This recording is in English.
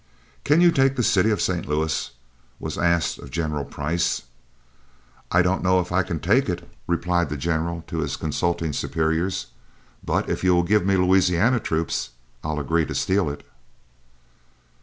"Can you take the city of St. Louis?" was asked of General Price. "I don't know as I can take it," replied the general to his consulting superiors, "but if you will give me Louisiana troops, I'll agree to steal it."